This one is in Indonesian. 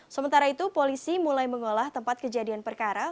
sementara itu polisi mulai mengolah tempat kejadian perkara